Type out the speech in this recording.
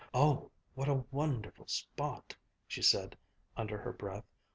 "Oh, what a wonderful spot!" she said under her breath.